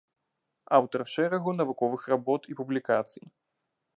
Аўтар шэрагу навуковых работ і публікацый.